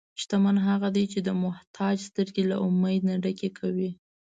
شتمن هغه دی چې د محتاج سترګې له امید نه ډکې کوي.